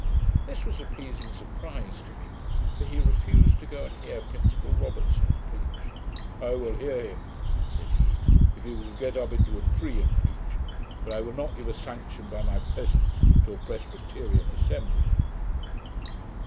This was a pleasing surprise to me; for he refused to go and hear Principal Robertson preach. 'I will hear him,' said he, 'if he will get up into a tree and preach; but I will not give a sanction, by my presence, to a Presbyterian assembly.'